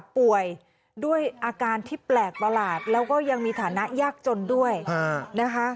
ป่วยด้วยอาการที่แปลกประหลาดแล้วก็ยังมีฐานะยากจนด้วยนะคะ